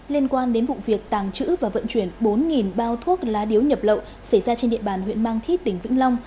liên quan đến vụ việc tàng trữ và vận chuyển bốn bao thuốc lá điếu nhập lậu xảy ra trên địa bàn huyện mang thít tỉnh vĩnh long